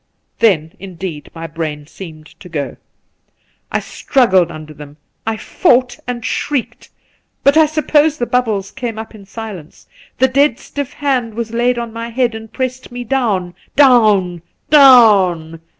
Then indeed my brain seemed to go. I struggled The Pool 185 under them. I fouglit and shrieked ; but I suppose the bubbles came up in silence. The dead stiff hand was laid on my head and pressed me down — down, down